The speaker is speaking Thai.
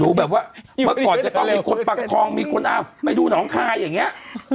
ดูแบบว่ามากก่อนจะต้องมีคนปากคลองมีคุณเอามาดูน้องคายอย่างเงี้ย